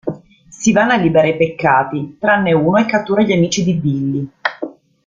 Sivana libera i Peccati, tranne uno e cattura gli amici di Billy.